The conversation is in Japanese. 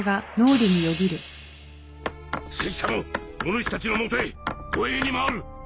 拙者もおぬしたちのもとへ護衛に回る。